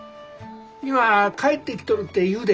今帰ってきとるってゆうで。